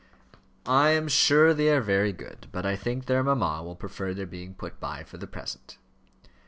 "I am sure they are very good; but I think their mamma will prefer their being put by for the present."